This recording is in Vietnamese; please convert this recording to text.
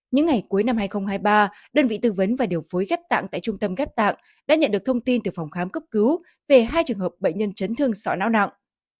những ngày cuối năm hai nghìn hai mươi ba đơn vị tư vấn và điều phối ghép tạng tại trung tâm ghép tạng đã nhận được thông tin từ phòng khám cấp cứu về hai trường hợp bệnh nhân chấn thương sọ não nặng